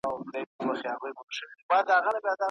په هغه ورځ خو ژوندی نه ومه پاچا مړ شوم